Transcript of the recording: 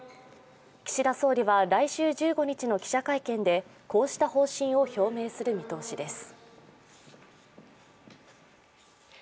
岸田総理は来週１５日の記者会見でこうした方針を表明する見通しです。